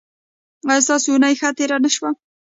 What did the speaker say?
ایا ستاسو اونۍ ښه تیره نه شوه؟